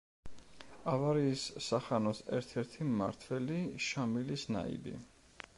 ავარიის სახანოს ერთ-ერთი მმართველი, შამილის ნაიბი.